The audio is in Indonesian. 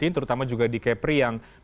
terutama juga di kepri yang